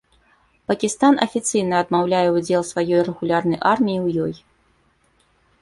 Пакістан афіцыйна адмаўляе ўдзел сваёй рэгулярнай арміі ў ёй.